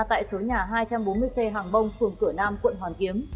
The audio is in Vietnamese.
tại số nhà hai trăm bốn mươi c hàng bông phường cửa nam quận hoàn kiếm